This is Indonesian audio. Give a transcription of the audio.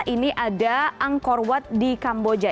ini ada angkor wat di kamboja